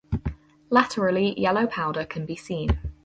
Laterally yellow powder can be seen.